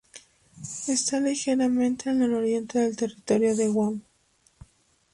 Está ligeramente al nororiente del territorio de Guam.